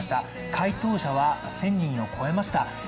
解答者は１０００人を超えました。